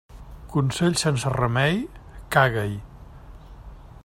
Consell sense remei, caga-hi.